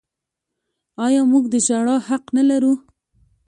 آیا موږ د ژړا حق نلرو؟